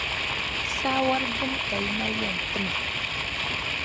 Saawɔr' dini ka yi mali yɛn ti ma?